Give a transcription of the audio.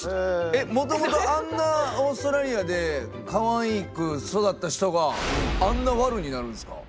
えっもともとあんなオーストラリアでかわいく育った人があんな悪になるんですか？